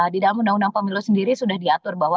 di dalam undang undang pemilu sendiri sudah diatur bahwa